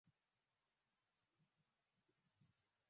Katibu Mkuu wa Umoja wa Mataifa Ban Ki Moon amesemma